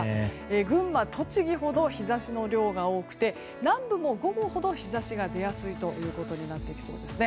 群馬、栃木ほど日差しの量が多くて南部も午後ほど日差しが出やすいということになっていきそうです。